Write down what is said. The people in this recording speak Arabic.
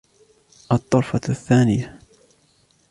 الطرفة الثانية